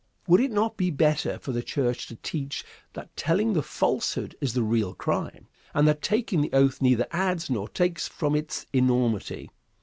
Would it not be better for the church to teach that telling the falsehood is the real crime, and that taking the oath neither adds to nor takes from its enormity?